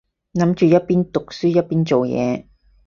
諗住一邊讀書一邊做嘢